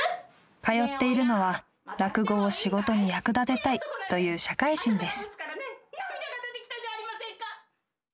通っているのは仕事に役立てたいという社会人です。